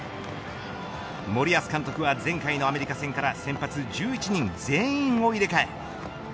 森保監督は前回のアメリカ戦から先発１１人全員を入れ替え。